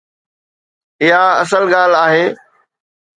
اها اصل ڳالهه آهي.